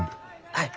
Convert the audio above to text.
はい。